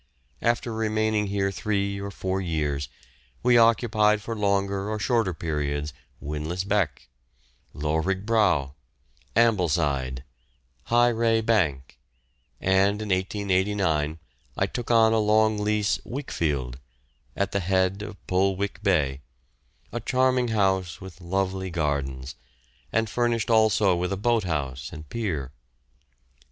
After remaining here three or four years, we occupied for longer or shorter periods Wynlass Beck, Loughrigg Brow, Ambleside, High Wray Bank; and in 1889 I took on a long lease "Wykefield," at the head of Pull Wyke Bay, a charming house with lovely gardens, and furnished also with a boathouse and pier.